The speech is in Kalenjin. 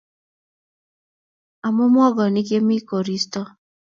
Amo muongonik yemi koristo